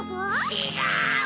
ちがう！